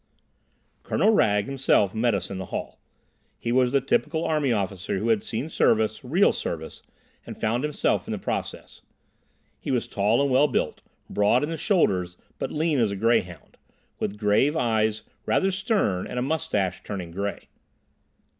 Colonel Wragge himself met us in the hall. He was the typical army officer who had seen service, real service, and found himself in the process. He was tall and well built, broad in the shoulders, but lean as a greyhound, with grave eyes, rather stern, and a moustache turning grey.